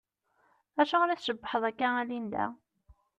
Acuɣeṛ i tcebbḥeḍ akka a Linda?